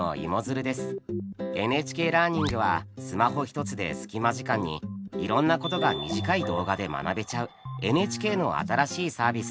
「ＮＨＫラーニング」はスマホ一つで隙間時間にいろんなことが短い動画で学べちゃうＮＨＫの新しいサービスです。